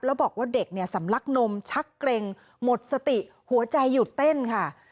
แล้วบอกว่าเด็กเนี่ยสำลักนมชักเกร็งหมดสติหัวใจหยุดเต้นค่ะ